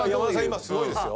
今すごいですよ。